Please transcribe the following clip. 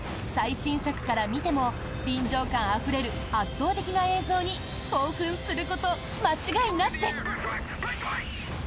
最新作から見ても臨場感あふれる圧倒的な映像に興奮すること間違いなしです！